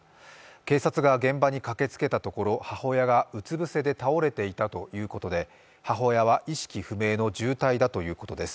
警察が現場に駆けつけたところ、母親がうつ伏せで倒れていたということで母親は意識不明の重体だということです。